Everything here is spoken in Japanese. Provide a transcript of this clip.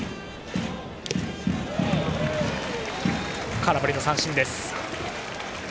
空振り三振です。